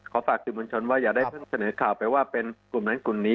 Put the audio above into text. ขอฝากคุณผู้ชมว่าอย่าได้เสนอข่าวไปว่าเป็นกลุ่มนั้นกลุ่มนี้